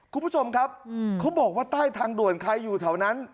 คุณผู้ชมครับเขาบอกว่าใต้ทางด่วนใครอยู่แถวนั้น